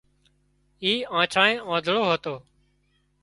اي آنڇانئي آنڌۯو هتو